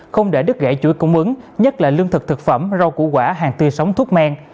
không để đứt gãy chuỗi cung ứng nhất là lương thực thực phẩm rau củ quả hàng tươi sống thuốc men